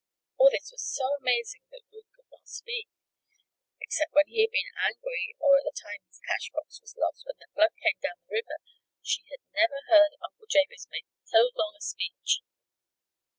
All this was so amazing that Ruth could not speak. Except when he had been angry, or at the time his cash box was lost when the flood came down the river, she had never heard Uncle Jabez make so long a speech.